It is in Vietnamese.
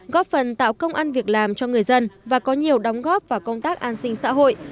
góp phần tạo công an việc làm cho người dân và có nhiều đóng góp vào công tác an sinh xã hội